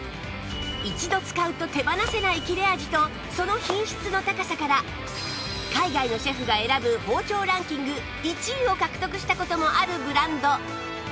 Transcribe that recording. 一度使うと手放せない切れ味とその品質の高さから海外のシェフが選ぶ包丁ランキング１位を獲得した事もあるブランド